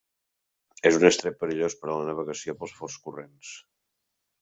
És un estret perillós per a la navegació pels forts corrents.